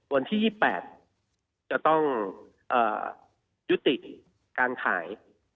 วันที่๒๘จะต้องยุติการขาย